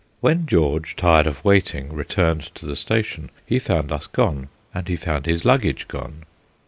When George, tired of waiting, returned to the station, he found us gone and he found his luggage gone.